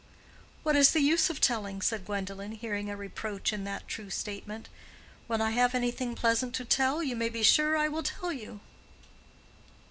"What is the use of telling?" said Gwendolen, hearing a reproach in that true statement. "When I have anything pleasant to tell, you may be sure I will tell you."